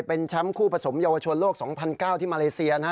เป็นแชมป์คู่ผสมเยาวชนโลก๒๐๐๙ที่มาเลเซียนะฮะ